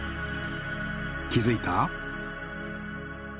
気付いた？